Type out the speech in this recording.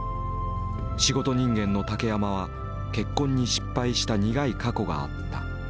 仕事人間の竹山は結婚に失敗した苦い過去があった。